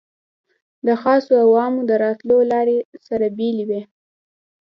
د خاصو او عامو د راتلو لارې سره بېلې وې.